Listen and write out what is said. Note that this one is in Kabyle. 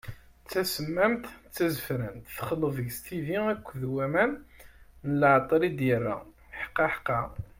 D tasemmamt, d tazefrant, texleḍ deg-s tidi akked waman n leɛṭer i d-yerra, ḥqaḥqa!